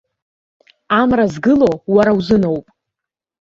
Амра згыло уара узыноуп.